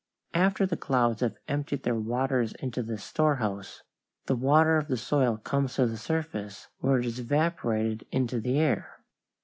After the clouds have emptied their waters into this storehouse, the water of the soil comes to the surface, where it is evaporated into the air.